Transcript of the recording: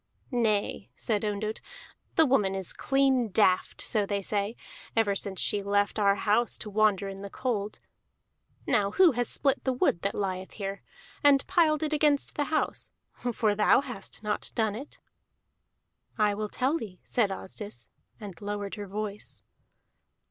"Nay," said Ondott, "the woman is clean daft, so they say, ever since she left our house to wander in the cold. Now who has split the wood that lieth here, and piled it against the house? For thou hast not done it." "I will tell thee," said Asdis, and lowered her voice.